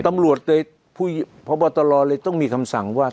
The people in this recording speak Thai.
ตำรวจพบตลอดเลยต้องมีคำสั่งว่า